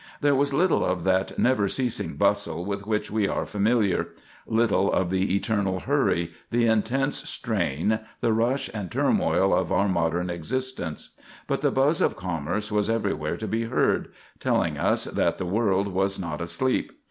There was little of that never ceasing bustle with which we are familiar—little of the eternal hurry, the intense strain, the rush and turmoil of our modern existence; but the buzz of commerce was everywhere to be heard, telling us that the world was not asleep.